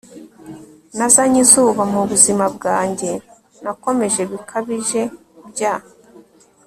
nazanye izuba mu buzima bwanjye. nakomeje bikabije. bya